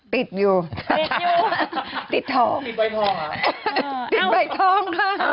ติดอยู่ติดทองติดใบทองเขา